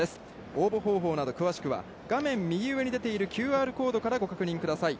応募方法など、詳しくは画面右上に出ているＱＲコードからご確認ください。